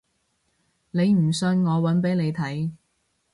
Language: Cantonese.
你唔信我搵俾你睇